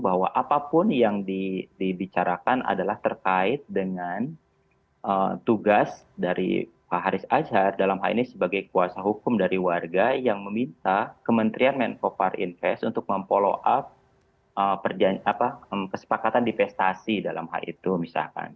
bahwa apapun yang dibicarakan adalah terkait dengan tugas dari pak haris azhar dalam hal ini sebagai kuasa hukum dari warga yang meminta kementerian menko par invest untuk memfollow up kesepakatan divestasi dalam hal itu misalkan